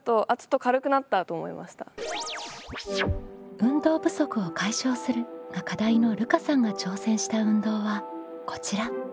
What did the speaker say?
「運動不足を解消する」が課題のるかさんが挑戦した運動はこちら。